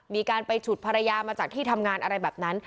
มีการไปฉุดภรรยามาจากที่ทำงานอะไรแบบนั้น